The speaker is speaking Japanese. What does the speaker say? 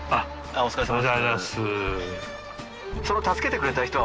お疲れさまです。